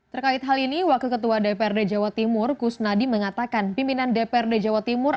terkait hal ini wakil ketua dprd jawa timur kusnadi mengatakan pimpinan dprd jawa timur